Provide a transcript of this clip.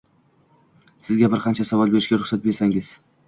Sizga bir qancha savol berishga ruxsat bersangiz.